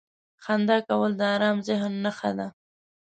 • خندا کول د ارام ذهن نښه ده.